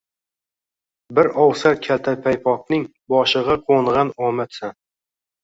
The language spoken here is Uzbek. Bir ovsar kaltapaypoqning boshig‘a qo‘ng‘an omadsan.